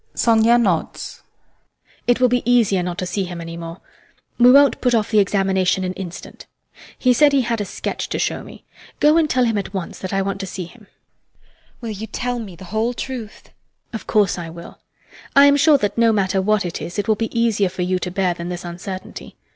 SONIA nods. HELENA. It will be easier not to see him any more. We won't put off the examination an instant. He said he had a sketch to show me. Go and tell him at once that I want to see him. SONIA. [In great excitement] Will you tell me the whole truth? HELENA. Of course I will. I am sure that no matter what it is, it will be easier for you to bear than this uncertainty.